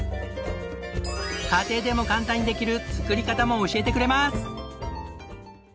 家庭でも簡単にできる作り方も教えてくれます！